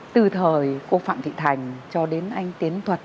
từ thời cô phạm thị thành cho đến anh tiến thuật